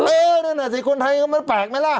เอ๊ะนั่นแหละสิคนไทยก็ไม่แปลกไหมล่ะ